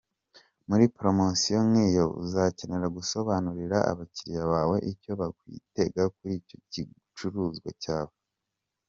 Muri poromosiyo nk’iyo uzakenera gusobanurira abakiliya bawe icyo bakwitega kuri icyo gicuruzwa cyawe.